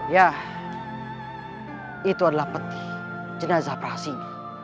ya itu adalah peti jenazah prahasis ini